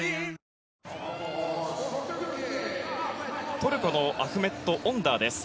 トルコのアフメット・オンダーです。